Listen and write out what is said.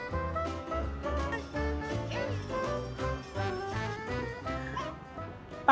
selain itu tempat yang terbaik adalah taman bermain anak